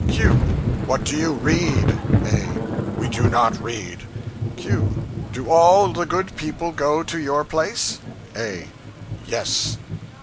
Q. What do you read? A. We do not read. Q. Do all the good people go to your place? A. Yes.